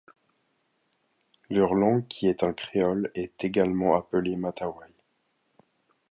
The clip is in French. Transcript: Leur langue qui est un créole est également appelée matawai.